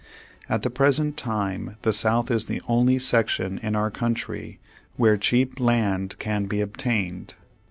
At the present time the South is the only sec tion in our country where cheap land can be ob tained.